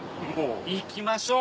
行きましょう！